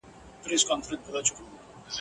تور مولوي به په شیطانه ژبه ..